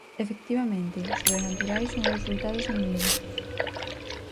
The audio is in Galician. Efectivamente, sobrenaturais son os resultados en Vigo.